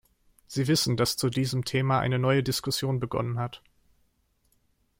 Sie wissen, dass zu diesem Thema eine neue Diskussion begonnen hat.